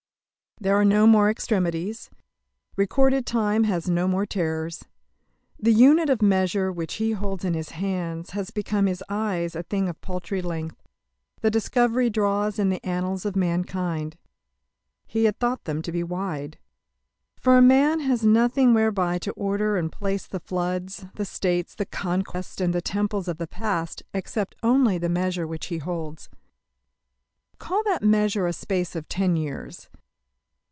There are no more extremities. Recorded time has no more terrors. The unit of measure which he holds in his hand has become in his eyes a thing of paltry length. The discovery draws in the annals of mankind. He had thought them to be wide. For a man has nothing whereby to order and place the floods, the states, the conquests, and the temples of the past, except only the measure which he holds. Call that measure a space of ten years.